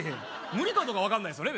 無理かどうか分かんないっすよね